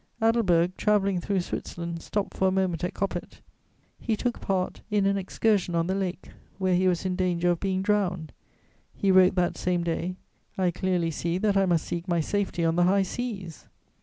Adelberg, travelling through Switzerland, stopped for a moment at Coppet. He took part in an excursion on the lake, where he was in danger of being drowned. He wrote that same day: "I clearly see that I must seek my safety on the high seas."